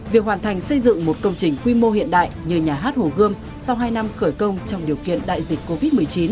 việc hoàn thành xây dựng một công trình quy mô hiện đại như nhà hát hồ gươm sau hai năm khởi công trong điều kiện đại dịch covid một mươi chín